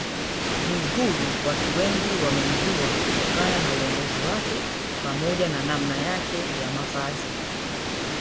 Mwigulu watu wengi wamemjua kutokana na uongozi wake pamoja na namna yake ya Mavazi